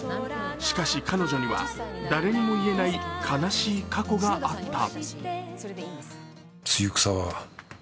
しかし、彼女には誰にも言えない悲しい過去があった。